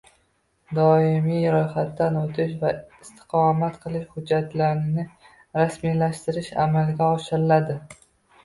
doimiy ro‘yxatdan o‘tish va istiqomat qilish hujjatlarini rasmiylashtirish amalga oshiriladi?